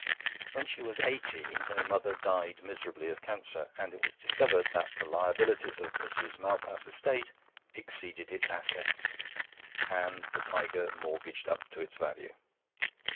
When she was eighteen her mother died miserably of cancer, and it was discovered that the liabilities of Mrs. Malpas's estate exceeded its assets and the Tiger mortgaged up to its value!